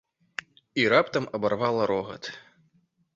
І раптам абарвала рогат.